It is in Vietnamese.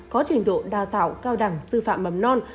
có trình độ đào tạo cao đẳng sư phạm mầm non